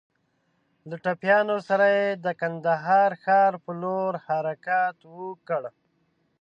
له ټپيانو سره يې د کندهار د ښار په لور حرکت وکړ.